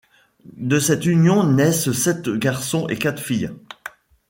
De cette union naissent sept garçons et quatre filles.